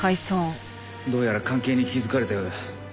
どうやら関係に気づかれたようだ。